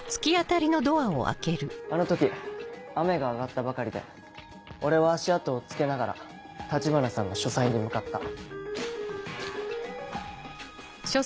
あの時雨が上がったばかりで俺は足跡を付けながら橘さんの書斎に向かった。